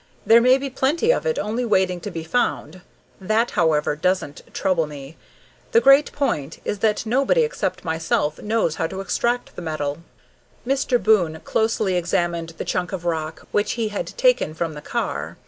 There may be plenty of it only waiting to be found. That, however, doesn't trouble me. The great point is that nobody except myself knows how to extract the metal." Mr. Boon closely examined the chunk of rock which he had taken from the car.